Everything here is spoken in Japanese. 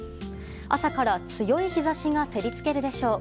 朝から強い日差しが照り付けるでしょう。